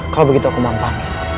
kalau begitu aku mampu amin